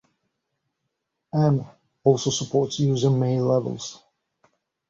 "N" also supports user-made levels.